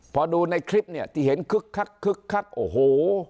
พอดูในคลิปเนี่ยที่เห็นคึกคักคึกคักโอ้โห